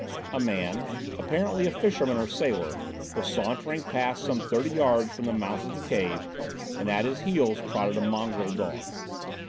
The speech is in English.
A man, apparently a fisherman or sailor, was sauntering past some thirty yards from the mouth of the cave, and at his heels trotted a mongrel dog.